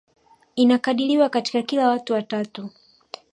Inakadiriwa katika kila watu watatu